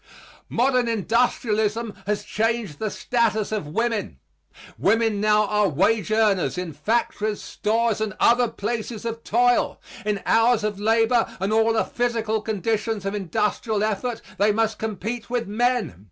Modern industrialism has changed the status of women. Women now are wage earners in factories, stores and other places of toil. In hours of labor and all the physical conditions of industrial effort they must compete with men.